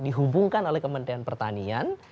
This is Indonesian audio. dihubungkan oleh kementerian pertanian